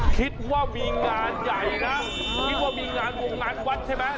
คิดว่ามีงานใหญ่นะคิดว่ามีงานวงงานวัดใช่ไหม